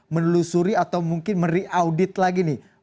menelusuri atau mungkin mereaudit lagi nih